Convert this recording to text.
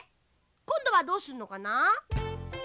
こんどはどうするのかな？